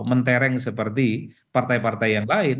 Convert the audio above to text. mentereng seperti partai partai yang lain